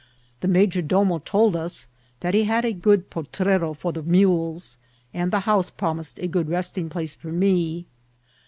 The major dcHno told us that he had a good potrero for the mules, and the house promised a good resting place for me.